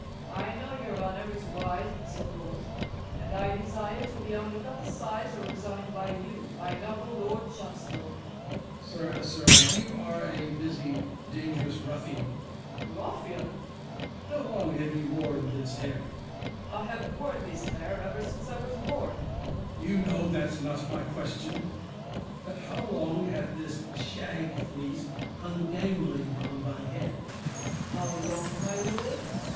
FAULKNER. I know your honor is wise and so forth; and I desire to be only cathecized or examined by you, my noble Lord Chancellor. MORE. Sirrah, sirrah, you are a busy dangerous ruffian. FAULKNER. Ruffian! MORE. How long have you worn this hair? FAULKNER. I have worn this hair ever since I was born. MORE. You know that's not my question, but how long Hath this shag fleece hung dangling on they head? FAULKNER. How long, my lord?